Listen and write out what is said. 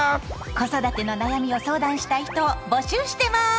子育ての悩みを相談したい人を募集してます！